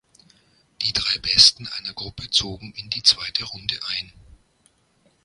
Die drei Besten einer Gruppe zogen in die zweite Runde ein.